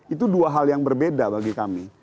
itu dua hal yang berbeda bagi kami